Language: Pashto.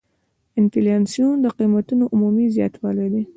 انفلاسیون د قیمتونو عمومي زیاتوالی دی.